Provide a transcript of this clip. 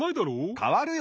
かわるよ。